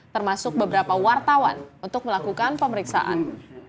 termasuk beberapa wartawan untuk melakukan pemeriksaan